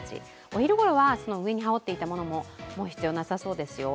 お昼ごろは、上に羽織っていたものも必要なさそうですよ。